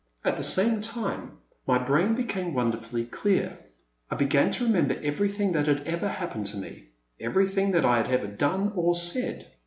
At the same time my brain became won derfully clear. I began to remember everything that had ever happened to me — everything that I had ever done or said.